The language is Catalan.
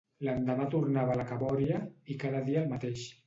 L'endemà tornava a la cabòria, i cada dia el mateix.